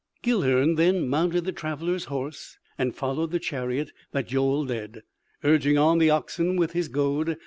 Guilhern then mounted the traveler's horse and followed the chariot that Joel led, urging on the oxen with his goad.